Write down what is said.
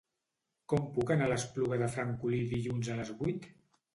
Com puc anar a l'Espluga de Francolí dilluns a les vuit?